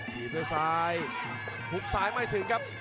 ถีบด้วยซ้ายหุบซ้ายไม่ถึงครับ